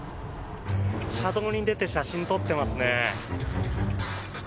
車道に出て写真撮ってますね。